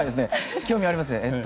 興味ありますね。